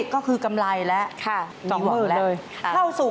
ก็คือกำไรและมีเวลาเลย